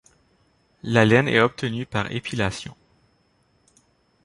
La laine est obtenue par épilation.